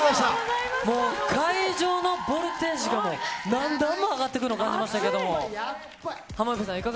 もう会場のボルテージが何段も上がっていくの感じましたけども。